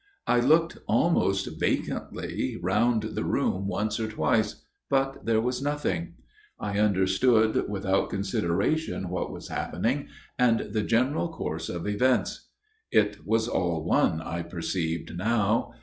" I looked almost vacantly round the room once or twice ; but there was nothing. I understood 126 A MIRROR OF SHALOTT without consideration what was happening, and the general course of events. It was all one, I perceived now.